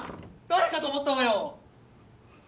⁉誰かと思ったわよ！